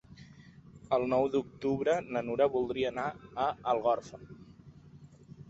El nou d'octubre na Nura voldria anar a Algorfa.